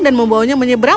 dan membawanya menyeberang